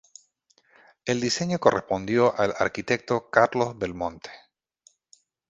El diseño correspondió al arquitecto Carlos Belmonte.